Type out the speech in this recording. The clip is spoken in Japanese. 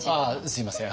すいません。